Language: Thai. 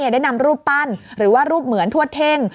ได้นำรูปปั้นหรือว่ารูปเหมือนทวดเท่ง